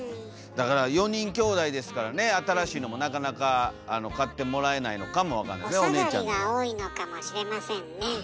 だから４人きょうだいですからね新しいのもなかなか買ってもらえないのかも分かんないですね。